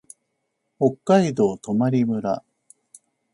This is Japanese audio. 北海道泊村